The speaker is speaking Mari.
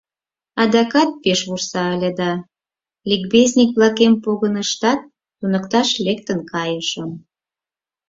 Адакат пеш вурса ыле да, ликбезник-влакем погыныштат, туныкташ лектын кайышым.